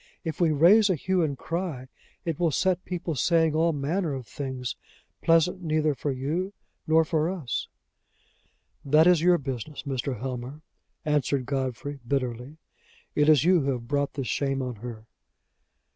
If we raise a hue and cry, it will set people saying all manner of things, pleasant neither for you nor for us." "That is your business, Mr. Helmer," answered Godfrey, bitterly. "It is you who have brought this shame on her."